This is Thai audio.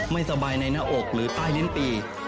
ไม่สบายในหน้าอกหรือใต้ลิ้นปี